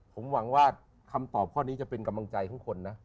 ผมหวังว่าคำตอบข้อนี้จะเป็นกำลังใจของคนนะ